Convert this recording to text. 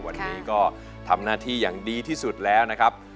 วันนี้ก็ทำหน้าที่อย่างดีที่สุดแล้วนะครับ